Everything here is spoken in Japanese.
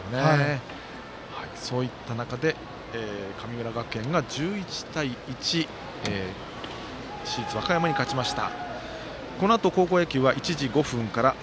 そういった中で神村学園が１１対１市立和歌山に勝ちました。